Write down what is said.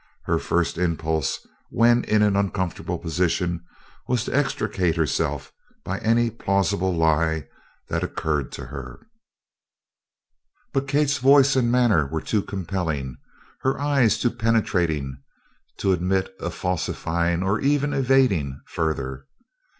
Her first impulse when in an uncomfortable position was to extricate herself by any plausible lie that occurred to her. But Kate's voice and manner were too compelling, her eyes too penetrating, to admit of falsifying or even evading further.